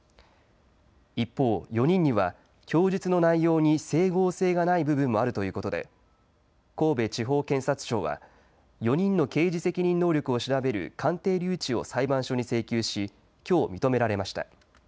一方、４人には供述の内容に整合性がない部分もあるということで神戸地方検察庁は４人の刑事責任能力を調べる鑑定留置を裁判所に請求しきょう認められました。